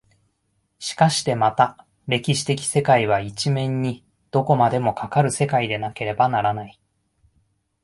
しかしてまた歴史的世界は一面にどこまでもかかる世界でなければならない。